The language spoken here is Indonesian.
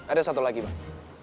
ada satu lagi bang